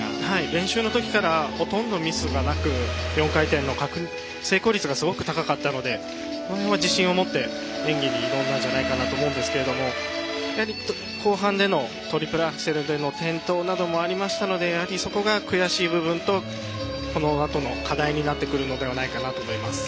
練習の時からほとんどミスがなく４回転の成功率がすごく高かったのでこの辺は自信を持って演技に挑んだと思いますが後半でトリプルアクセルでの転倒などもありましたのでそこが悔しい部分と、このあとの課題になってくるのではないかなと思います。